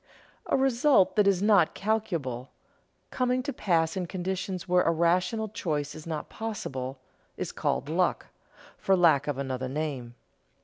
A result that is not calculable, coming to pass in conditions where a rational choice is not possible, is called luck, for lack of another name.